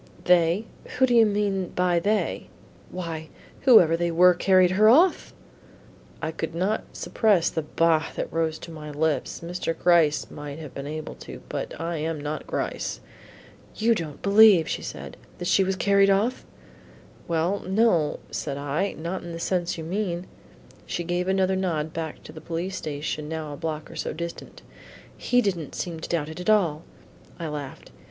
"They? Who do you mean by they?" "Why, whoever they were who carried her off." I could not suppress the "bah!" that rose to my lips. Mr. Gryce might have been able to, but I am not Gryce. "You don't believe," said she, "that she was carried off?" "Well, no," said I, "not in the sense you mean." She gave another nod back to the police station now a block or so distant. "He did'nt seem to doubt it at all." I laughed.